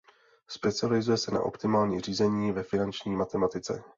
Specializuje se na optimální řízení ve finanční matematice.